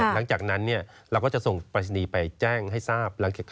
หลังจากนั้นเราก็จะส่งปรายศนีย์ไปแจ้งให้ทราบ